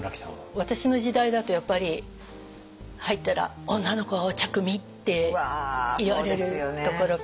私の時代だとやっぱり入ったら「女の子はお茶くみ」って言われるところから。